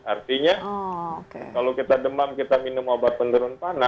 artinya kalau kita demam kita minum obat penurun panas